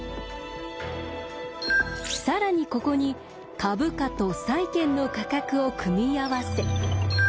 更にここに株価と債券の価格を組み合わせ